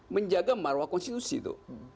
menjaga marwah konstitusi itu